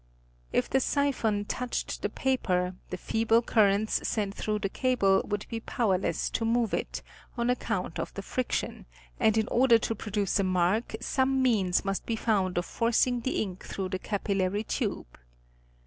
If the siphon touched the paper, the feeble currents sent through the cable would be powerless to move it, on account of the friction, and in order to produce a mark some means must be found of forcing the ink through the capillary tube.